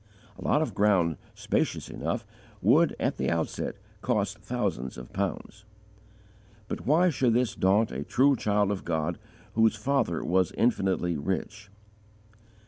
A lot of ground, spacious enough, would, at the outset, cost thousands of pounds; but why should this daunt a true child of God whose Father was infinitely rich?